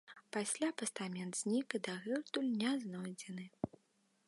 Пасля пастамент знік і дагэтуль не знойдзены.